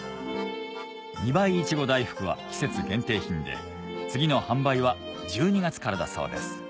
２倍いちご大福は季節限定品で次の販売は１２月からだそうです